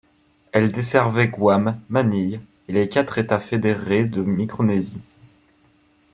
Elle desservait Guam, Manille et les quatre États fédérés de Micronésie.